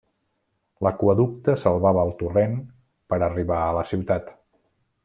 L'aqüeducte salvava el torrent per arribar a la ciutat.